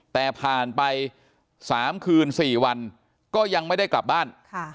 แต่ผ่านไป๓คืน๔วันก็ยังไม่ได้กลับบ้าน